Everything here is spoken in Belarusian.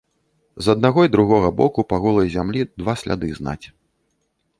З аднаго й другога боку па голай зямлі два сляды знаць.